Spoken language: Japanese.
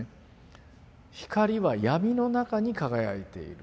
「光はやみの中に輝いている」。